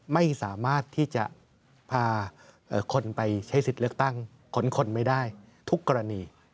ไม่สามารถที่จะพาคนไปใช้สิทธิ์เลือกตั้งค้นคนไม่ได้ทุกกรณี